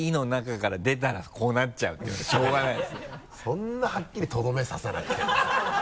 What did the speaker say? そんなはっきりとどめ刺さなくても。